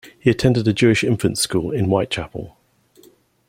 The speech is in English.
He attended a Jewish Infants School in Whitechapel.